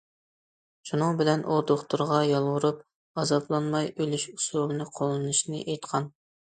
شۇنىڭ بىلەن ئۇ دوختۇرغا يالۋۇرۇپ« ئازابلانماي ئۆلۈش» ئۇسۇلىنى قوللىنىشنى ئېيتقان.